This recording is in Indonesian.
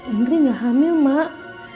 indri gak hamil mak